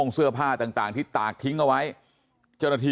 แล้วก็ยัดลงถังสีฟ้าขนาด๒๐๐ลิตร